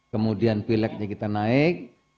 kemudian pileknya kita naik